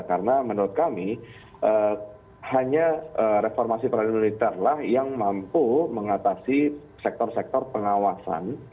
karena menurut kami hanya reformasi peradilan militerlah yang mampu mengatasi sektor sektor pengawasan